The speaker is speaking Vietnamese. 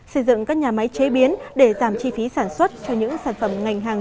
xây dựng các nhà máy chế biến để giảm chi phí sản xuất cho những sản phẩm ngành hàng